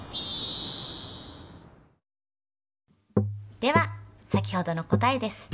では先ほどの答えです。